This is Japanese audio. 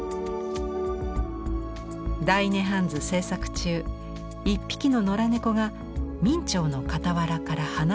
「大涅槃図」制作中一匹の野良猫が明兆の傍らから離れようとしませんでした。